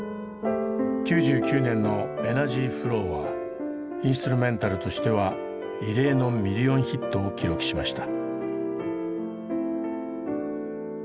９９年の「ｅｎｅｒｇｙｆｌｏｗ」はインストゥルメンタルとしては異例のミリオンヒットを記録しました。